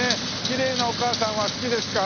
きれいなお母さんは好きですか？